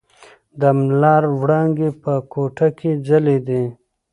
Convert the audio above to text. د لمر وړانګې په کوټه کې ځلېدې.